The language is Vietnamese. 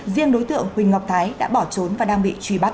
riêng đối tượng huỳnh ngọc thái đã bỏ trốn và đang bị truy bắt